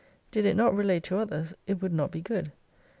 Did it not relate to others it would not be good.